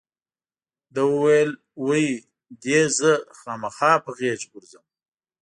ده وویل وی دې زه خامخا په غېږ ورځم.